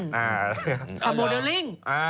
ธาตุโมเดลลิ่ง